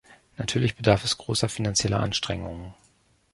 Natürlich bedarf es großer finanzieller Anstrengungen.